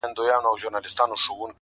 څوک یې وړونه څه خپلوان څه قریبان دي،